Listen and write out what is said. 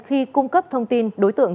khi cung cấp thông tin đối tượng